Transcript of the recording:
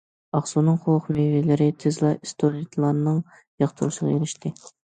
ئاقسۇنىڭ قۇرۇق مېۋىلىرى تېزلا ئىستۇدېنتلارنىڭ ياقتۇرۇشىغا ئېرىشتى.